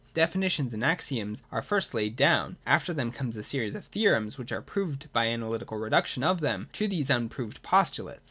Definitions and axioms are first laid down : after them comes a series of theorems, which are proved by an analytical reduction of them to these un proved postulates.